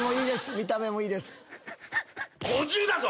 見た目もいいです。